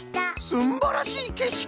すんばらしいけしき！